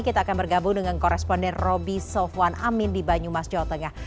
kita akan bergabung dengan koresponden roby sofwan amin di banyumas jawa tengah